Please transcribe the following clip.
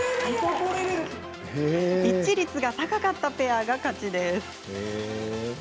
一致率が高かったペアが勝ちです。